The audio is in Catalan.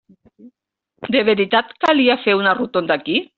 De veritat calia fer una rotonda aquí?